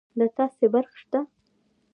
د تاسي برق شته